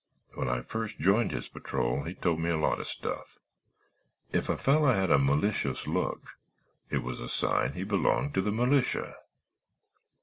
When I first joined his patrol he told me a lot of stuff. He said if a feller had a malicious look it was a sign he belonged to the militia.